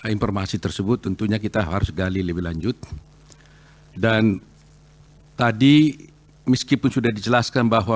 informasi tersebut tentunya kita harus gali lebih lanjut dan tadi meskipun sudah dijelaskan bahwa